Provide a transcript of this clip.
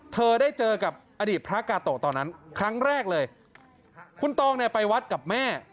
เธอได้เจอกับอดีตพระกาโตะตอนนั้นครั้งแรกเลยคุณตองเนี่ยไปวัดกับแม่